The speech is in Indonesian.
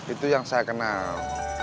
itu yang saya kenal